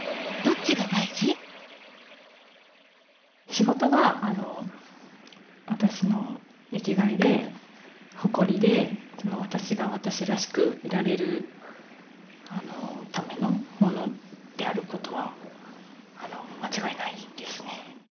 仕事が私の生きがいで誇りで私が私らしくいられるためのものである事は間違いないですね。